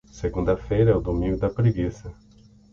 Segunda-feira é o domingo da preguiça.